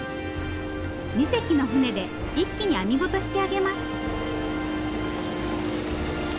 ２隻の船で一気に網ごと引き上げます。